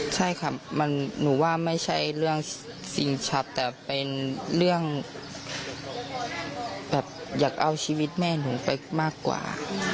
ใช่ค่ะหนูว่าไม่ใช่เรื่องสิ่งชัดแต่เป็นเรื่องแบบอยากเอาชีวิตแม่หนูไปมากกว่า